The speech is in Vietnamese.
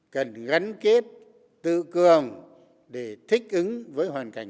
cần gắn kết tự cường để thích ứng với hoàn cảnh